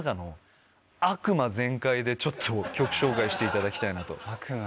でちょっと曲紹介していただきたいなと。悪魔？